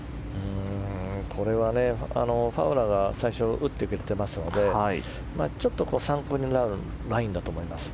これはファウラーが最初打ってくれていますのでちょっと参考になるラインだと思います。